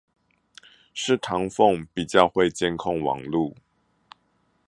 是唐鳳比較會監控網路